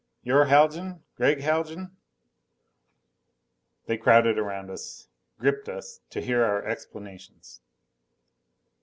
You're Haljan? Gregg Haljan?" They crowded around us. Gripped us, to hear our explanations.